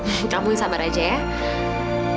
aku doain kamu biar kamu bisa cepat cepat jadi anakmu ya man